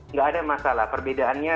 nggak ada masalah perbedaannya